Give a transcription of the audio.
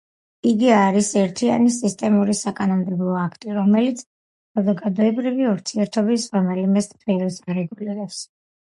იგი არის ერთიანი სისტემატური საკანონმდებლო აქტი, რომელიც საზოგადოებრივი ურთიერთობის რომელიმე სფეროს არეგულირებს.